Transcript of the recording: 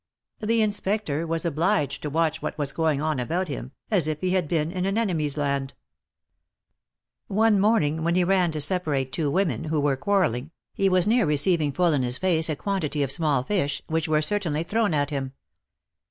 The Inspector was obliged to watch what was going on about him, as if he had been in an enemy^s land. One morning, when he ran to separate two women, who were quarrelling, he was near receiving full in his face a quantity of small fish, which were certainly thrown at him.